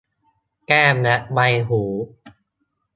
แก้มและใบหู